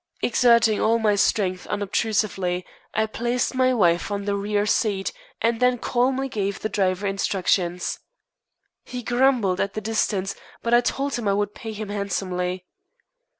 Exerting all my strength unobtrusively, I placed my wife on the rear seat, and then calmly gave the driver instructions. He grumbled at the distance, but I told him I would pay him handsomely.